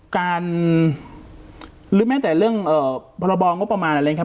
การหรือแม้แต่เรื่องพระบองก็ประมาณอะไรเลยนะครับ